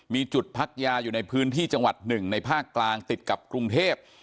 มีจุดพักยาอยู่ในพื้นที่จังหวัดหนึ่งในภาคกลางติดกับกรุงเทพ